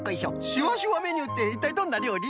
しわしわメニューっていったいどんなりょうり？